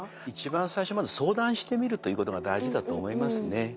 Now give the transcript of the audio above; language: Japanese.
一番最初まず相談してみるということが大事だと思いますね。